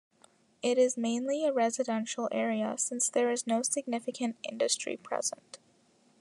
It is mainly a residential area, since there is no significant industry present.